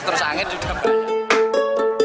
terus angin juga berada